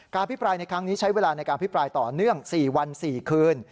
พิปรายในครั้งนี้ใช้เวลาในการพิปรายต่อเนื่อง๔วัน๔คืน